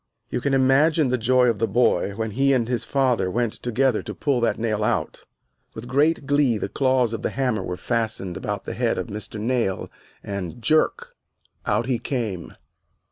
You can imagine the joy of the boy when he and his father went together to pull that nail out. With great glee the claws of the hammer were fastened about the head of Mr. Nail and, jerk, out he came.